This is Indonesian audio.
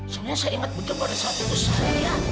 sebenernya saya ingat bener pada saat itu saya